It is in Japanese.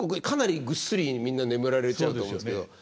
かなりぐっすりみんな眠られちゃうと思うんですけど。